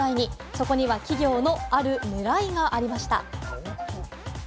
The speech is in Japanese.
そこには企業のある狙いがありました。